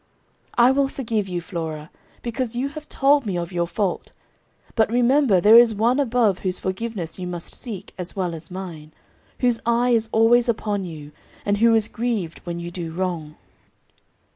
"I will forgive you, Flora, because you have told me of your fault; but remember there is One above whose forgiveness you must seek as well as mine, whose eye is always upon you, and who is grieved when you do wrong.